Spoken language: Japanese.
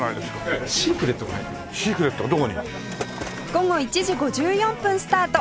午後１時５４分スタート！